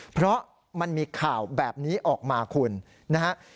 เพราะมันมีข่าวแบบนี้ออกมาคุณนะฮะ